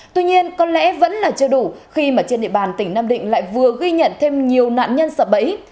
tuy nhiên có lẽ vẫn là chưa đủ khi mà trên địa bàn tỉnh nam định lại vừa ghi nhận thêm nhiều nạn nhân sập bẫy